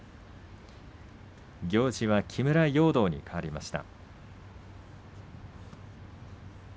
行司は木村容堂にかわりました。